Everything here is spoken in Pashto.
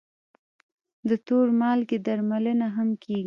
د تور مالګې درملنه هم کېږي.